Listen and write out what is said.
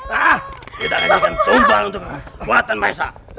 kita ngajukan tumpang untuk kekuatan maesah